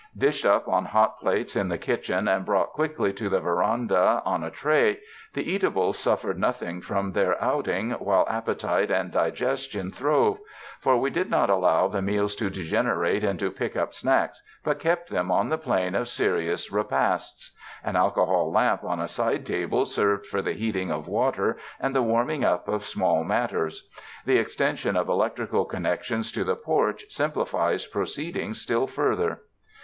Dished up on hot plates in the kitchen and brought quickly to the veranda on a tray, the eatables suffered nothing from their out ing, while appetite and digestion throve ; for we did not allow the meals to degenerate into '* pick up snacks" but kept them on the plane of serious re pasts. An alcohol lamp on a side table served for the heating of water, and the warming up of small matters. The extension of electrical connections to the porch simplifies proceedings still further.